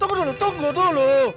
tunggu dulu tunggu dulu